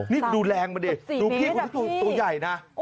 นี่ดูแรงมาดีดูพี่ก็ตัวใหญ่นะ